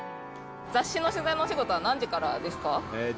雑誌の取材のお仕事は何時からですか。